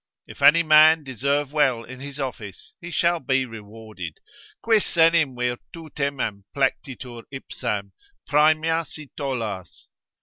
If any man deserve well in his office he shall be rewarded. ———quis enim virtutem amplectitur ipsam, Proemia si tollas?